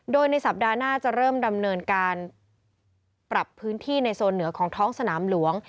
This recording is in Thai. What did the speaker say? โดยในสัปดาห์หน้าจะเริ่มดำเนินการปรับพื้นที่ในโซนเหนือของท้องสนามหลวง